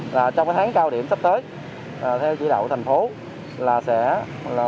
là trong cái tháng cao điểm sắp tới theo chỉ đạo thành phố là sẽ là